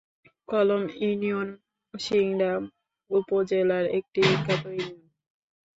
কলম ইউনিয়ন সিংড়া উপজেলার একটি বিখ্যাত ইউনিয়ন।